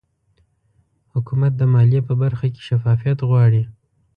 حکومت د مالیې په برخه کې شفافیت غواړي